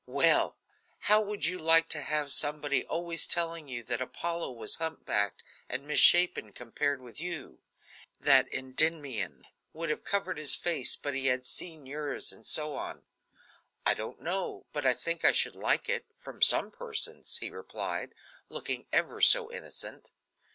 Well! how would you like to have somebody always telling you that Apollo was humpbacked and misshapen compared with you; that Endymion would have covered his face had he but seen yours, and so on?" "I don't know, but I think I should like it from some persons," he replied, looking ever so innocent.